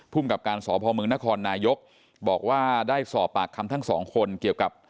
ภูมิกับการสอบภอมเมืองนครนายกบอกว่าได้สอบปากคำทั้งสองคนเกี่ยวกับ